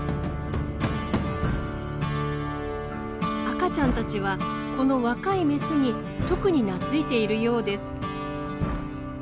赤ちゃんたちはこの若いメスに特になついているようです。